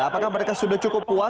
apakah mereka sudah cukup puas